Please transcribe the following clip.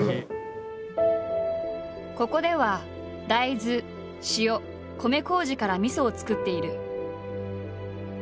ここでは大豆塩米こうじからみそを造っている。